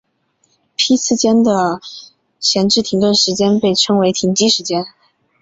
批次间的闲置停顿时间被称为停机时间。